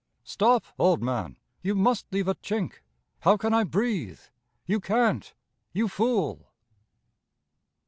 Stop, old man! You must leave a chink; How can I breathe? _You can't, you fool!